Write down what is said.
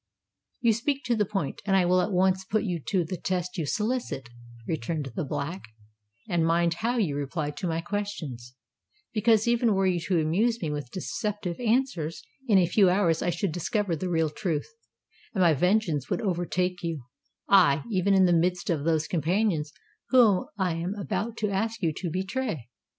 "You speak to the point—and I will at once put you to the test you solicit," returned the Black; "and mind how you reply to my questions—because, even were you to amuse me with deceptive answers now, in a few hours I should discover the real truth, and my vengeance would overtake you—aye, even in the midst of those companions whom I am about to ask you to betray.